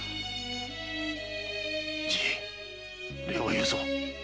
じい礼を言うぞ。